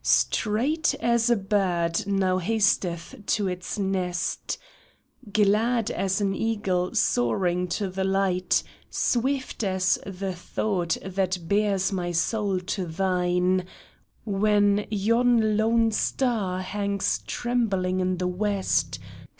Straight as a bird that hasteth to its nest, Glad as an eagle soaring to the light, Swift as the thought that bears my soul to thine When yon lone star hangs trembling in the west.